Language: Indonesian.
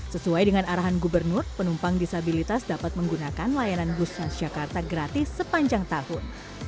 sesuai dengan arahan gubernur penumpang disabilitas dapat menggunakan layanan bus transjakarta gratis sepanjang tahun